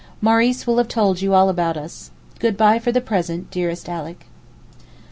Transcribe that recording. Maurice will have told you all about us. Good bye for the present, dearest Alick.